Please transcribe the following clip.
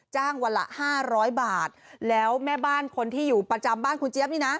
วันละห้าร้อยบาทแล้วแม่บ้านคนที่อยู่ประจำบ้านคุณเจี๊ยบนี่นะ